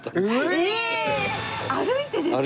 歩いてですか？